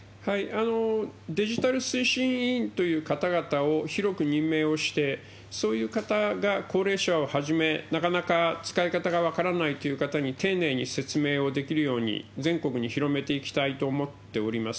デジタル推進委員という方々を広く任命をして、そういう方が高齢者をはじめ、なかなか使い方が分からないという方に丁寧に説明をできるように、全国に広めていきたいと思っております。